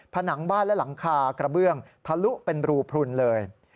ผนังบ้านและหลังคากระเบื้องทะลุเป็นรูพลุนเลย